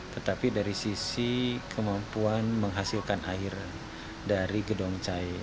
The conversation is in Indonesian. tetapi dari sisi kemampuan menghasilkan air dari gedong cai